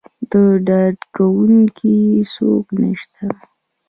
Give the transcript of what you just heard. د ډاډکوونکي څوک نه شته.